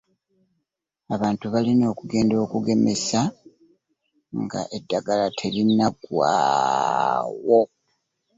Abantu balina okugenda begemese nga eddagala terinnagwawo.